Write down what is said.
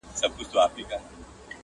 o په سلو وهلی ښه دئ، نه په يوه پړ٫